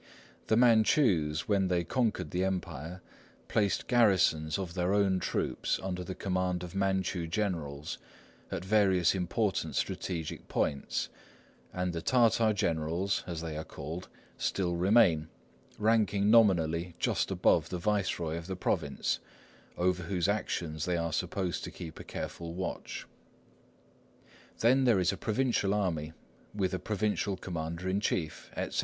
The Manchus, when they conquered the Empire, placed garrisons of their own troops, under the command of Manchu generals, at various important strategic points; and the Tartar generals, as they are called, still remain, ranking nominally just above the viceroy of the province, over whose actions they are supposed to keep a careful watch. Then there is a provincial army, with a provincial commander in chief, etc.